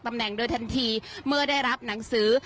ตำแหน่งโดยทันทีเมื่อได้รับหนังสือ